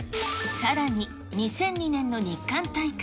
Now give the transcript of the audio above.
さらに２００２年の日韓大会。